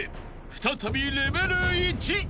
［再びレベル１］